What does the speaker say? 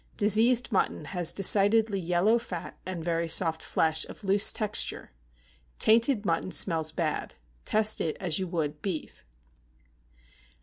Diseased mutton has decidedly yellow fat, and very soft flesh, of loose texture. Tainted mutton smells bad; test it as you would beef.